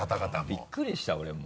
びっくりした俺も。